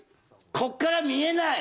ここから見えない！